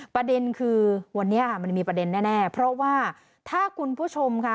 ประเด็นคือวันนี้ค่ะมันมีประเด็นแน่เพราะว่าถ้าคุณผู้ชมค่ะ